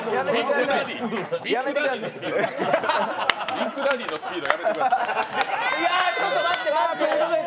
ビッグダディのスピード、やめてください。